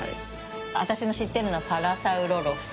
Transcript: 私の知ってるのはパラサウロロフス。